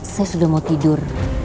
saya sudah mau tidur